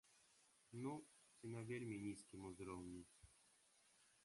Ну, ці на вельмі нізкім узроўні.